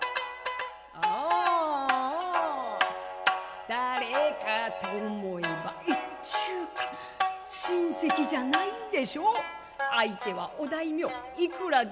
おお誰かと思えば越中か「親戚じゃないんでしょう相手はお大名いくらで売る？」。